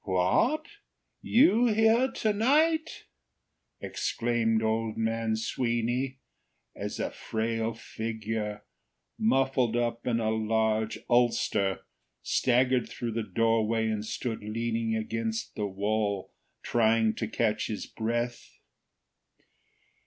"What! You here to night!" exclaimed old man Sweeny, as a frail figure, muffled up in a huge ulster, staggered through the doorway and stood leaning against the wall, trying to catch his breath.